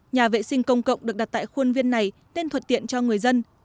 nhà vệ sinh công cộng được đặt tại khuôn viên này tên thuật tiện cho người dân